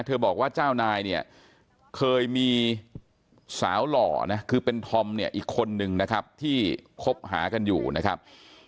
บอกว่าเจ้านายเนี่ยเคยมีสาวหล่อนะคือเป็นธอมเนี่ยอีกคนนึงนะครับที่คบหากันอยู่นะครับ